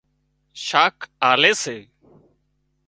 شاک آلي سي